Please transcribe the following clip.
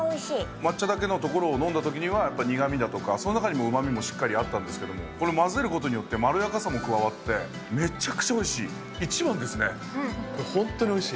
抹茶だけの所を飲んだときには苦みだとか、その中にもうまみもしっかりあったんですけども、混ぜることによってまろやかさも加わってめちゃくちゃおいしい、本当においしい。